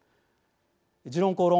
「時論公論」